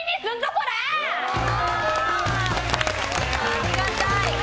ありがたい！